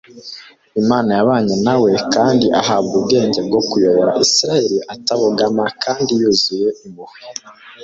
imana yabanye na we kandi ahabwa ubwenge bwo kuyobora isirayeli atabogama kandi yuzuye impuhwe